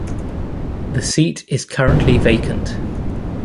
The seat is currently vacant.